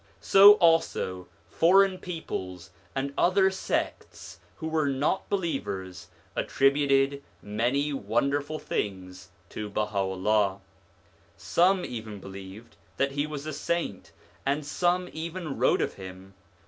So also foreign peoples, and other sects who were not believers, attributed many wonderful things to Bah a' u'llah : some believed that he was a saint, 1 and some even wrote of him.